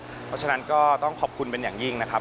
เพราะฉะนั้นก็ต้องขอบคุณเป็นอย่างยิ่งนะครับ